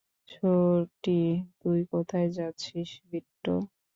ছোটি, তুই কোথায় যাচ্ছিস বিট্টো?